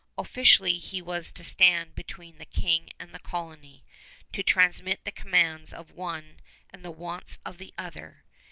Officially he was to stand between the King and the colony, to transmit the commands of one and the wants of the other.